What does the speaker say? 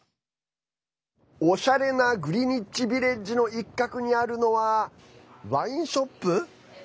おしゃれなグリニッチビレッジの一角にあるのはワインショップ？